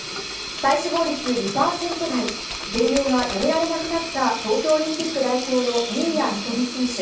体脂肪率２％台、減量がやめられなくなった東京オリンピック代表の新谷仁美選手。